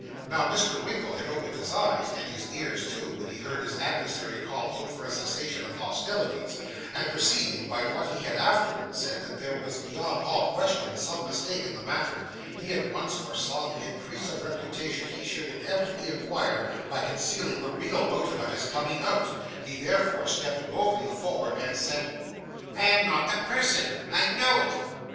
Now Mr. Winkle had opened his eyes, and his ears too, when he heard his adversary call out for a cessation of hostilities; and perceiving by what he had afterwards said that there was, beyond all question, some mistake in the matter, he at once foresaw the increase of reputation he should inevitably acquire by concealing the real motive of his coming out; he therefore stepped boldly forward, and said 'I am not the person. I know it.